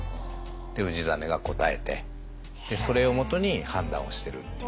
で氏真が答えてそれをもとに判断をしてるっていう。